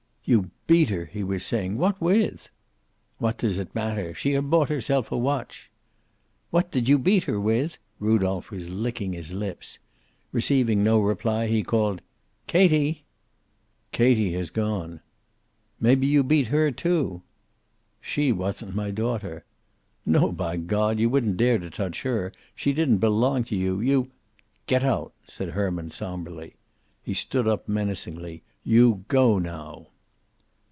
"You beat her!" he was saying. "What with?" "What does that matter She had bought herself a watch " "What did you beat her with?" Rudolph was licking his lips. Receiving no reply, he called "Katie!" "Katie has gone." "Maybe you beat her, too." "She wasn't my daughter." "No by God! You wouldn't dare to touch her. She didn't belong to you. You " "Get out," said Herman, somberly. He stood up menacingly. "You go, now."